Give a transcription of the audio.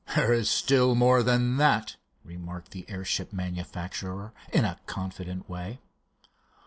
"There is still more than that," remarked the airship manufacturer, in a confident way.